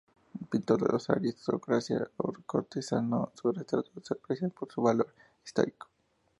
Pintor de la aristocracia y cortesano, sus retratos se aprecian por su valor histórico.